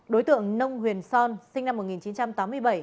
đối tượng nông huyền son sinh năm một nghìn chín trăm tám mươi bảy